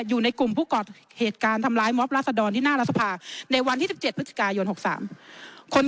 อยู่ในกลุ่มผู้ก่อเหตุการณ์ทำร้ายมอบราษดรที่หน้ารัฐสภาในวันที่๑๗พฤศจิกายน๖๓คน